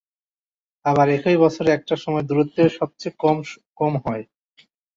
আবার একই বছরে একটা সময় দূরত্ব সবচেয়ে কম হয়।